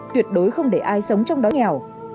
tuyệt đối không để ai sống trong đó nghèo